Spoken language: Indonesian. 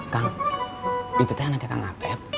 kang itu kan anaknya kang apep